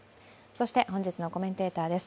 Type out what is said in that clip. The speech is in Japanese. そして、本日のコメンテーターです。